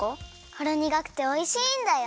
ほろにがくておいしいんだよ。